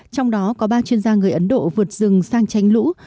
trong đó có ba chuyên gia người ấn độ vượt rừng sang tránh lũ